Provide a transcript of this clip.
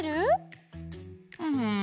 うん。